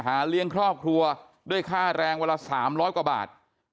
เลี้ยงครอบครัวด้วยค่าแรงวันละ๓๐๐กว่าบาท